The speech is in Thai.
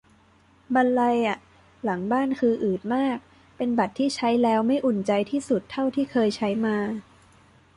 บรรลัยอะ หลังบ้านคืออืดมาก เป็นบัตรที่ใช้แล้วไม่อุ่นใจที่สุดเท่าที่เคยใช้มา